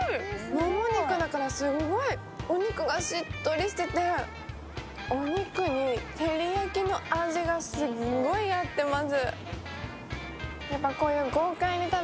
もも肉だからすごくお肉がしっとりしててお肉に照り焼きの味がすっごい合ってます。